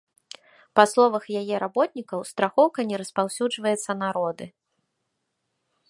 Па словах яе работнікаў, страхоўка не распаўсюджваецца на роды.